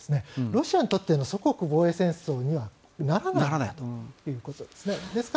ロシアにとっての祖国防衛戦争にはならないということですね。